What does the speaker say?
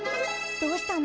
どうしたの？